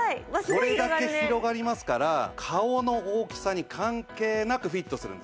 これだけ広がりますから顔の大きさに関係なくフィットするんです。